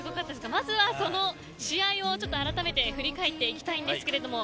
まずはその試合をあらためて振り返っていきたいんですけれども。